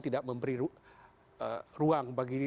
tidak memberi ruang